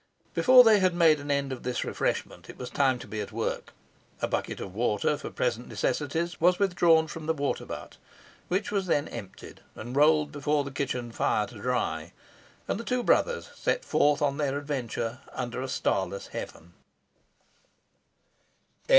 Before they had made an end of this refreshment it was time to be at work. A bucket of water for present necessities was withdrawn from the water butt, which was then emptied and rolled before the kitchen fire to dry; and the two brothers set forth on their adventure under a starless heaven.